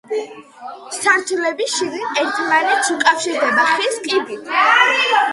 სართულები შიგნით ერთმანეთს უკავშირდება ხის კიბით.